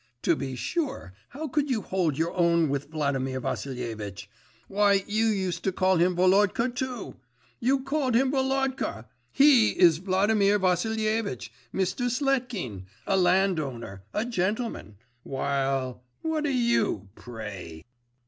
To be sure, how could you hold your own with Vladimir Vassilievitch? Why, you used to call him Volodka, too. You call him Volodka. He is Vladimir Vassilievitch, Mr. Sletkin, a landowner, a gentleman, while what are you, pray?